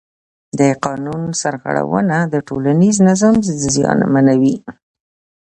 د قانون سرغړونه د ټولنیز نظم زیانمنوي